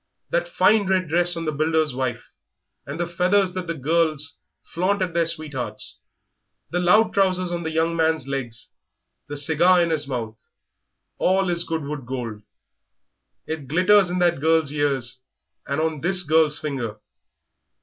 That fine red dress on the builder's wife, and the feathers that the girls flaunt at their sweethearts, the loud trousers on the young man's legs, the cigar in his mouth all is Goodwood gold. It glitters in that girl's ears and on this girl's finger.